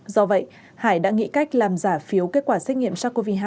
do vậy hải đã nghĩ cách làm giả phiếu kết quả xét nghiệm sars cov hai